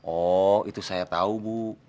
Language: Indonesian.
oh itu saya tahu bu